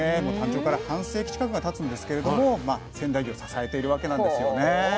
もう誕生から半世紀近くがたつんですけれども仙台牛を支えているわけなんですよね。